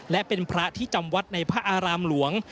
และเป็นพระที่จำวัดในพระอารามหลวง